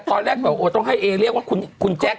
ตอนแรกบอกโอ้ต้องให้เอเรียกว่าคุณแจ๊ค